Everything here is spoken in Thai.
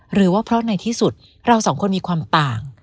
หรือว่าเพราะในที่สุดเราสองคนมีความต่าง